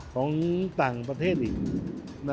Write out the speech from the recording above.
ของต่างประเทศอีก